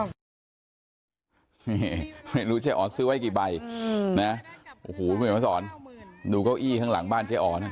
ไม่รู้เจ๊อ๋อสซื้อไว้กี่ใบโอ้โฮดูเก้าอี้ทางหลังบ้านเจ๊อ๋อน่ะ